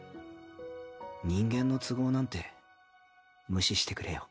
人間の都合なんて無視してくれよ。